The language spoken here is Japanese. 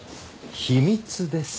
秘密です。